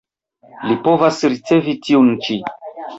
Li povas ricevi tiun ĉi.